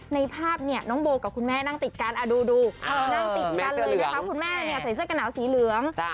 ในภาพเนี่ยน้องโบกับคุณแม่ติดกันดูพวกแม่ใส่เสื้อกระหนาวสีเหลือง